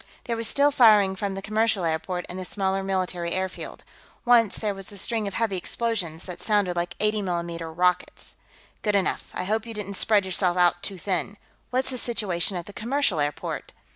There was still firing from the commercial airport and the smaller military airfield. Once there was a string of heavy explosions that sounded like 80 mm rockets. "Good enough. I hope you didn't spread yourself out too thin. What's the situation at the commercial airport?"